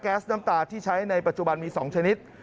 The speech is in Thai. สน้ำตาที่ใช้ในปัจจุบันมี๒ชนิด